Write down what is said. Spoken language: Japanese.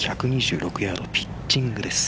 １２６ヤードピッチングです。